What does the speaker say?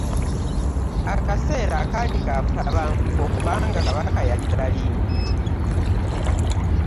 Akaseera kali ka butabanguko kubanga Kabaka yali talimu .